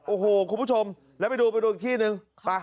โอ้โหคุณผู้ชมแล้วไปดูไปดูอีกที่หนึ่งไป